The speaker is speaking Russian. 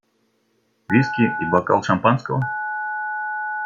Виски - и бокал шампанского?